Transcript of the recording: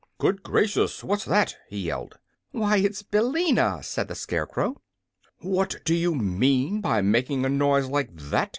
"Good gracious! What's that?" he yelled. "Why, it's Billina," said the Scarecrow. "What do you mean by making a noise like that?"